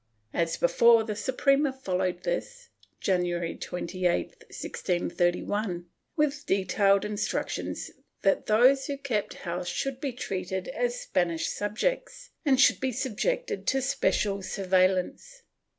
^ As before, the Suprema followed this, January 28, 1631, with detailed instructions that those who kept house should be treated as Spanish subjects and be subjected to special surveil lance.